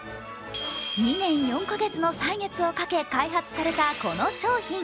２年４か月の歳月をかけ開発されたこの商品。